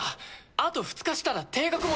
あと２日したら停学も。